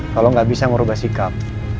kalau gak bisa ngubah sikap